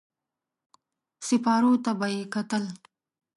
سېپارو ته به يې کتل.